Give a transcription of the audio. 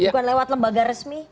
bukan lewat lembaga resmi